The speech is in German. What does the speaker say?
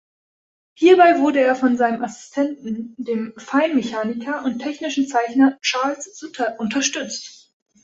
Hierbei wurde er von seinem Assistenten, dem Feinmechaniker und technischen Zeichner Charles Sutter unterstützt.